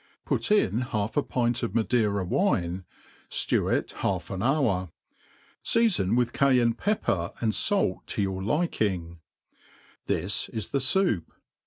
put in half a pint of Madeira wine, ftew it half anhoiir ^. feafon with Cayenne pepper and fait tq your liking : this is (he foup.